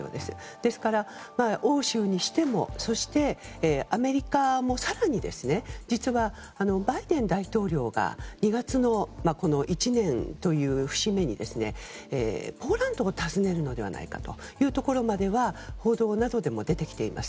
ですから、欧州にしてもそしてアメリカも更に実は、バイデン大統領が２月の１年という節目にポーランドを訪ねるのではないかというところまでは報道などでも出てきています。